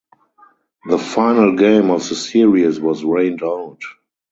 The final game of the series was rained out.